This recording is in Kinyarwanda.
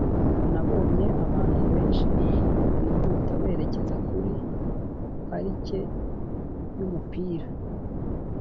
nabonye abantu benshi bihuta berekeza kuri parike yumupira.